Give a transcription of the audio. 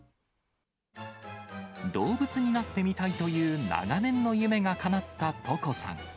動物になってみたいという長年の夢がかなったトコさん。